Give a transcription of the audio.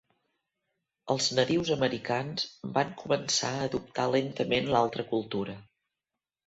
Els nadius americans van començar a adoptar lentament l'altra cultura.